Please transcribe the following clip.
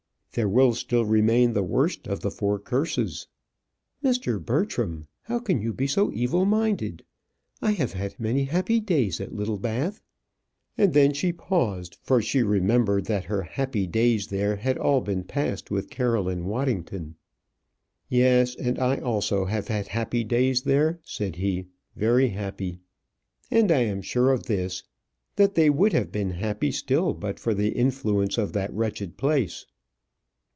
"There will still remain the worst of the four curses." "Mr. Bertram, how can you be so evil minded? I have had many happy days at Littlebath." And then she paused, for she remembered that her happy days there had all been passed with Caroline Waddington. "Yes, and I also have had happy days there," said he; "very happy. And I am sure of this that they would have been happy still but for the influence of that wretched place."